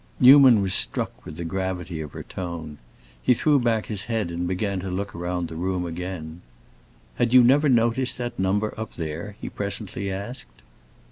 Newman was struck with the gravity of her tone; he threw back his head and began to look round the room again. "Had you never noticed that number up there?" he presently asked.